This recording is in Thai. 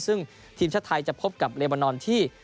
ซึ่งทีมชาติไทยจะพบกับเลบานอนที่